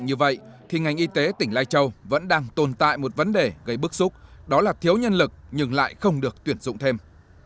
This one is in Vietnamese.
ubnd tỉnh lai châu vẫn đang tồn tại một vấn đề gây bức xúc đó là thiếu nhân lực nhưng lại không được tuyển dụng thêm